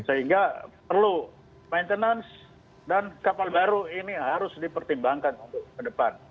sehingga perlu maintenance dan kapal baru ini harus dipertimbangkan untuk ke depan